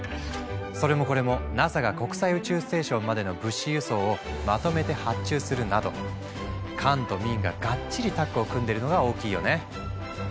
それもこれもＮＡＳＡが国際宇宙ステーションまでの物資輸送をまとめて発注するなど官と民ががっちりタッグを組んでるのが大きいよね。